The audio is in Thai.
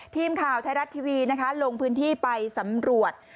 ทีมข่าวไทยรัฐทีวีนะคะลงพื้นที่ไปสำรวจ